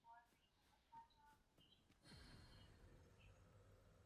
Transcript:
دا د ګټې وړ سرچینو څخه ګټه اخیستل دي.